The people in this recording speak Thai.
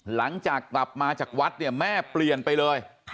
หลังจากกลับมาจากวัดเนี่ยแม่เปลี่ยนไปเลย